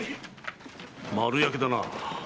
丸焼けだな。